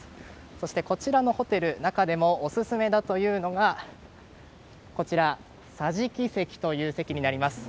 そして、こちらのホテル中でもオススメだというのが桟敷席という席になります。